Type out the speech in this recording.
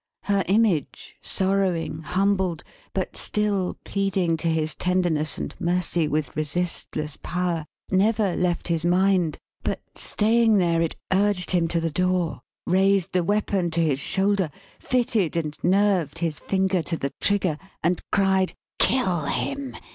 Her image, sorrowing, humbled, but still pleading to his tenderness and mercy with resistless power, never left his mind; but staying there, it urged him to the door; raised the weapon to his shoulder; fitted and nerved his finger to the trigger; and cried "Kill him!